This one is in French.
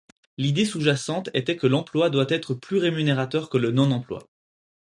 L'idée sous-jacente était que l'emploi doit être plus rémunérateur que le non-emploi.